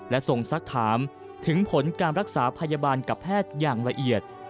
และส่งสักถามถึงผลการรักษาพยาบาลกับแพทย์อย่างละเอียด